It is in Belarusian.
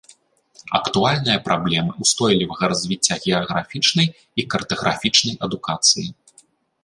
Актуальныя праблемы ўстойлівага развіцця геаграфічнай і картаграфічнай адукацыі.